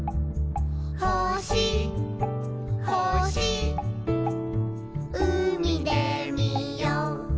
「ほしほしうみでみよう」